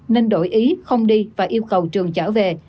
nên đổi ý không đi và yêu cầu trường trở về